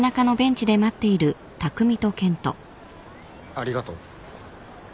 ありがとう。